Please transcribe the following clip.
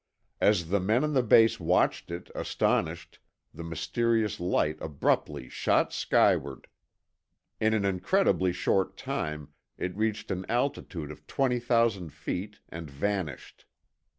As the men on the base watched it, astonished, the mysterious light abruptly shot skyward. In an incredibly short time, it reached an altitude of twenty thousand feet and vanished.